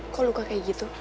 kok luka kayak gitu